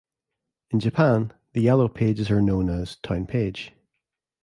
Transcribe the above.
In Japan, the yellow pages are known as "Town Page".